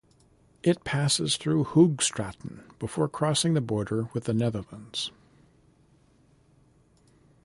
It passes through Hoogstraten before crossing the border with the Netherlands.